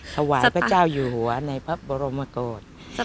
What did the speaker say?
ถวายพระเจ้าอยู่หัวในพระบรมกฏ